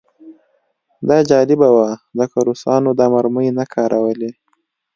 دا جالبه وه ځکه روسانو دا مرمۍ نه کارولې